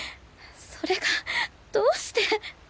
それがどうして！？